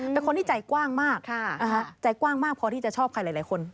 เป็นคนที่ใจกว้างมากใจกว้างมากพอที่จะชอบใครหลายคน